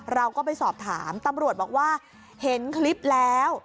เราก็ไปสอบถามตำรวจบอกว่าเห็นคลิปแล้ว